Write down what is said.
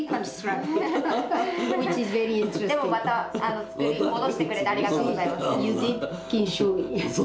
でもまたつくり戻してくれてありがとうございます。